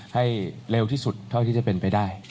ให้เร็วที่สุดเท่าที่จะเป็นไปได้